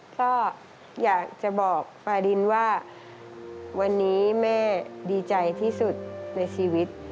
ก็อยากจะบอกปาดินว่าวันนี้แม่ดีใจที่สุดในชีวิต